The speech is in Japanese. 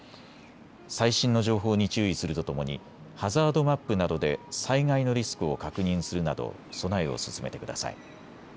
最新の情報に注意するとともにハザードマップなどで災害のリスクを確認するなど備えを進めてください。